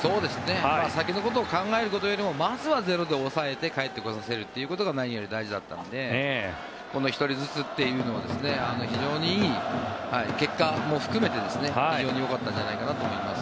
先のことを考えるよりもまずはゼロで抑えて帰ってこさせることが何より大事だったので１人ずつというのは非常にいい結果も含めて非常によかったんじゃないかなと思います。